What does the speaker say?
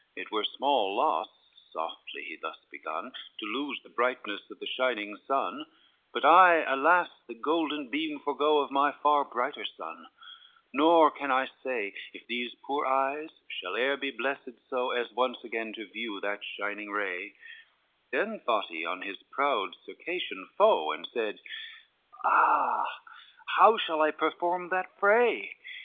"It were small loss," softly he thus begun, "To lose the brightness of the shining sun; XLIX "But I, alas, the golden beam forego Of my far brighter sun; nor can I say If these poor eyes shall e'er be blessed so, As once again to view that shining ray:" Then thought he on his proud Circassian foe, And said, "Ah! how shall I perform that fray?